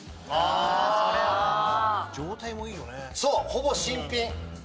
ほぼ新品。